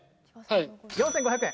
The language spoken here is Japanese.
４５００円！